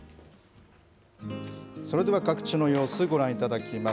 それでは、各地の様子ご覧いただきます。